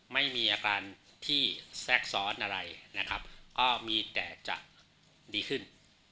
ไม่มีอาการที่แทรกซ้อนอะไรนะครับก็มีแต่จะดีขึ้น